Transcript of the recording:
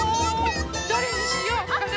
どれにしようかな？